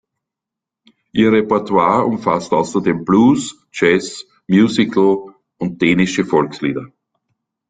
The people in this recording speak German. Ihr Repertoire umfasst außerdem Blues, Jazz, Musical und dänische Volkslieder.